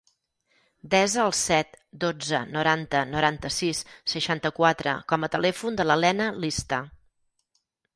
Desa el set, dotze, noranta, noranta-sis, seixanta-quatre com a telèfon de la Lena Lista.